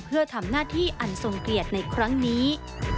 เพื่อทำหน้าที่อันทรงเกียรติในครั้งนี้